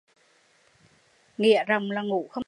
Nghĩa rộng là ngủ không được